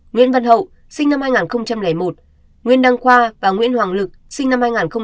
nguyễn văn hậu sinh năm hai nghìn một nguyễn đăng khoa và nguyễn hoàng lực sinh năm hai nghìn một mươi